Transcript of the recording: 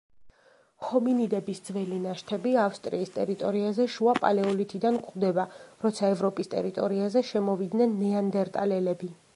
ჰომინიდების ძველი ნაშთები ავსტრიის ტერიტორიაზე შუა პალეოლითიდან გვხვდება, როცა ევროპის ტერიტორიაზე შემოვიდნენ ნეანდერტალელები.